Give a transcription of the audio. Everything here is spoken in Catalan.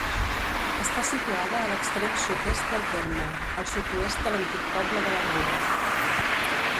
Està situada a l'extrem sud-est del terme, al sud-oest de l'antic poble de la Rua.